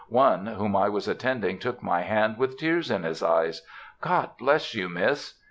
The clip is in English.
One whom I was attending took my hand, with tears in his eyes: "God bless you, Miss."